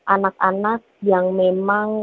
anak anak yang memang